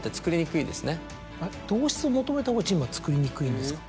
同質を求めたほうがチームは作りにくいんですか？